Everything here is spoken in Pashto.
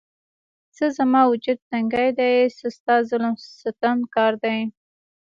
څه زما وجود تنکی دی، څه ستا ظلم ستم کار دی